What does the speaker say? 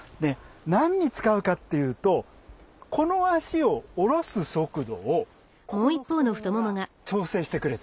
何に使うかっていうとこの脚を下ろす速度をここの太ももが調整してくれてるんです。